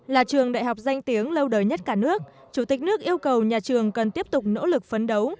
là trường đại học danh tiếng lâu đời nhất cả nước chủ tịch nước yêu cầu nhà trường cần tiếp tục nỗ lực phấn đấu